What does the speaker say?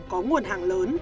có nguồn hàng lớn